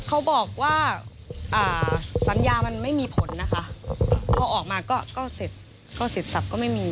เขาบอกว่าสัญญามันไม่มีผลนะคะพอออกมาก็เสร็จก็เสร็จสับก็ไม่มี